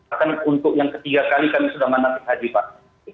bahkan untuk yang ketiga kali kami sudah menanti haji pak